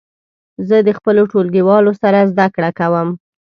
زه د خپلو ټولګیوالو سره زده کړه کوم.